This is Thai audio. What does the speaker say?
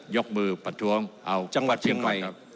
ยกมือประท้วงเอาพัดพิงก่อนครับ